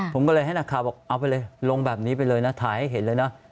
ผมก็เลยให้นักข่าวบอกเอาไปเลยลงแบบนี้ไปเลยนะถ่ายให้เห็นเลยนะ